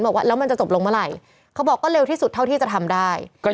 บอกว่าแล้วมันจะจบลงเมื่อไหร่เขาบอกก็เร็วที่สุดเท่าที่จะทำได้ก็